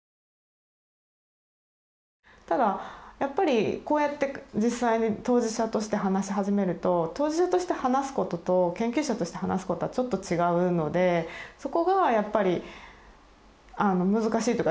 ただやっぱりこうやって実際に当事者として話し始めると当事者として話すことと研究者として話すことはちょっと違うのでそこがやっぱり難しいというか。